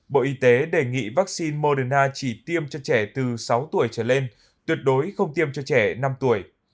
bộ y tế đề nghị vaccine moderna chỉ tiêm cho trẻ từ sáu tuổi trở lên tuyệt đối không tiêm cho trẻ năm tuổi